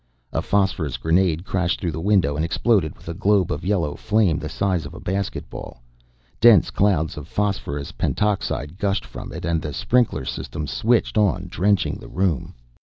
A phosphorus grenade crashed through the window and exploded with a globe of yellow flame the size of a basketball; dense clouds of phosphorus pentoxide gushed from it and the sprinkler system switched on, drenching the room.